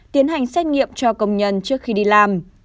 tiến hành xét nghiệm cho công nhân trước khi đi làm